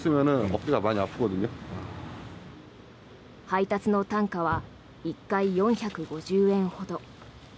配達の単価は１回４５０円ほど。